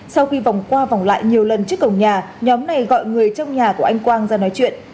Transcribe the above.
sau khi vòng qua vòng lại nhiều lần trước cổng nhà nhóm này gọi người trong nhà của anh quang ra nói chuyện